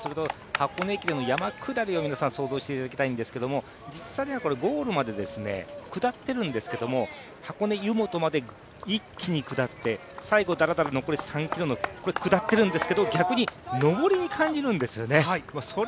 箱根駅伝の山下りを想像していただきたいんですけれども実際にはゴールまで下っているんですけども、箱根湯本まで一気に下って、最後だらだら残り３ｋｍの下ってるんですけど、逆に上りに感じるんですよね。